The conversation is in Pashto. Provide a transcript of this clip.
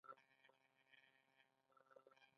د مڼې دانه د څه لپاره مه خورم؟